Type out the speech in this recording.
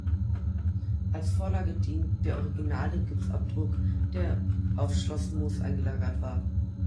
Als Vorlage diente der originale Gipsabdruck, der auf Schloss Moos eingelagert war.